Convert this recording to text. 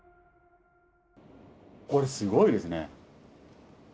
これ、すごいですね。